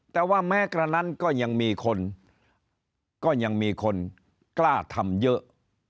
แต่ว่าแม้กระนั้นก็ยังมีคนกล้าทำเยอะ